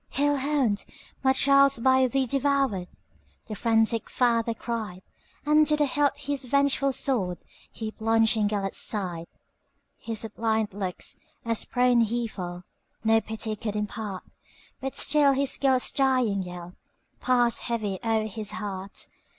"Hell hound! my child 's by thee devoured,"The frantic father cried; And to the hilt his vengeful swordHe plunged in Gêlert's side. His suppliant looks, as prone he fell, No pity could impart; But still his Gêlert's dying yellPassed heavy o'er his heart.